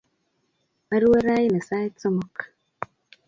Arue raini sait somok